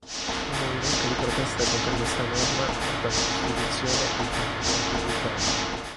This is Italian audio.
Il movimento di protesta contro questa norma portò alla costituzione del Partito Repubblicano.